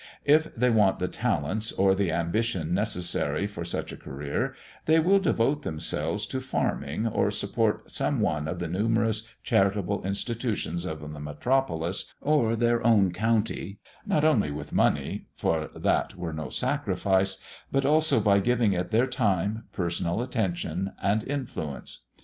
If they want the talents or the ambition necessary for such a career, they will devote themselves to farming or support some one of the numerous charitable institutions of the metropolis or their own county not only with money, for that were no sacrifice but also by giving it their time, personal attention, and influence.